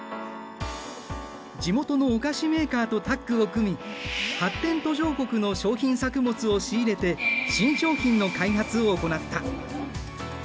地元のお菓子メーカーとタッグを組み発展途上国の商品作物を仕入れて新商品の開発を行った。